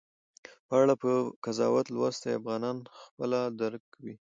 په اړه به قضاوت لوستي افغانان خپله درک وي